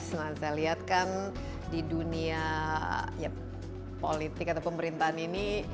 saya lihatkan di dunia ya politik atau pemerintahan ini